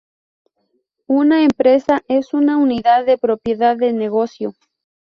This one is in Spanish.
Una empresa es una unidad de propiedad de negocio.